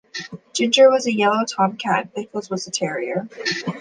Ginger was a yellow tomcat, and Pickles was a terrier.